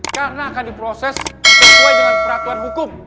karena akan diproses sesuai dengan peraturan hukum